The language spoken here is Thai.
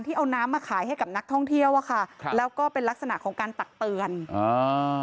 เอาน้ำมาขายให้กับนักท่องเที่ยวอ่ะค่ะครับแล้วก็เป็นลักษณะของการตักเตือนอ่า